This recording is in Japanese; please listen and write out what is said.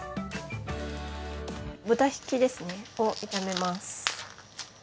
豚ひきですねを炒めます。